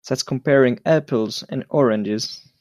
That's comparing apples and oranges.